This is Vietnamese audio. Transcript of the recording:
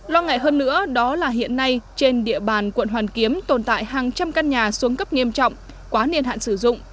lo ngại hơn nữa đó là hiện nay trên địa bàn quận hoàn kiếm tồn tại hàng trăm căn nhà xuống cấp nghiêm trọng quá niên hạn sử dụng